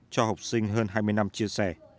cho học sinh hơn hai mươi năm chia sẻ